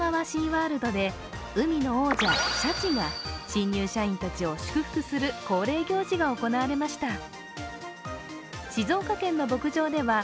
シーワールドで海の王者・シャチが新入社員たちを祝福する恒例行事が行われました。